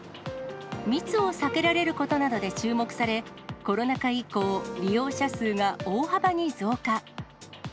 密を避けられることなどで注目され、コロナ禍以降、利用者数が大幅に増加。